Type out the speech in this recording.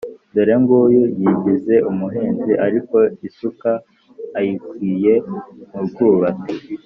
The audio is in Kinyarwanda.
dore ng'uyu yigize umuhinzi ariko isuka ayikwikiye mu rwubati.